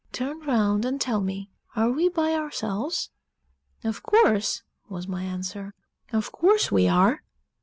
"Turn round and tell me, are we by ourselves?" "Of course," was my answer, "of course we are!"